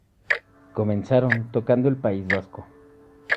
Comenzaron tocando en el País Vasco.